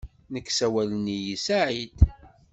Nek sawalen-iyi Saɛid.